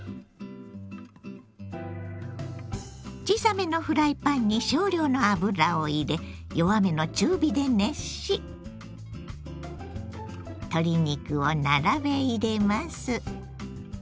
小さめのフライパンに少量の油を入れ弱めの中火で熱し鶏肉を並べ入れます。